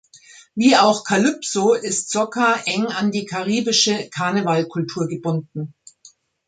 Wie auch Calypso ist Soca eng an die karibische Karneval-Kultur gebunden.